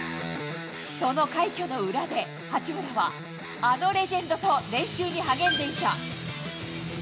その快挙の裏で八村は、あのレジェンドと練習に励んでいた。